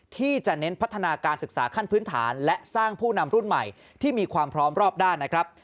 ที่จะเน้นพัฒนาการศึกษาขั้นพื้นฐานและสร้างผู้นำรุ่นใหม่ที่มีความพร้อมรอบด้านนะครับ